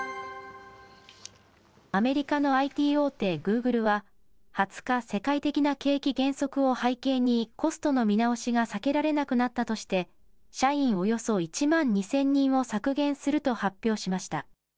アメリカのＩＴ大手、グーグルは、２０日、世界的な景気減速を背景にコストの見直しが避けられなくなったとして、社員およそ１万２０００人を削減すると発表しました。